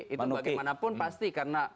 itu bagaimanapun pasti karena